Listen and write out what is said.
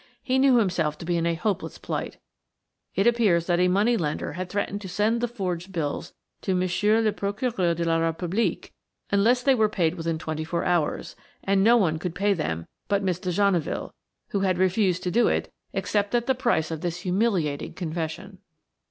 He knew himself to be in a hopeless plight. It appears that a money lender had threatened to send the forged bills to Monsieur le Procureur de la République unless they were paid within twenty four hours, and no one could pay them but Miss de Genneville, who had refused to do it except at the price of this humiliating confession.